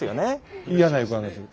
嫌な予感がする。